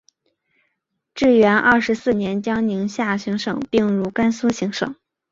至元二十四年将宁夏行省并入甘肃行省。